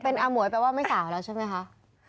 เป็นอาหวยแปลว่าไม่สาวแล้วใช่ไหมคะ